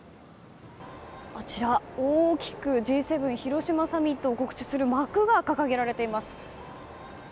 あちら、大きくＧ７広島サミットを告知する幕が掲げられています。